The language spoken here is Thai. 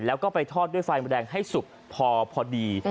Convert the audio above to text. แล้วก็ไปทอดด้วยไฟแมลงให้สุกพอดี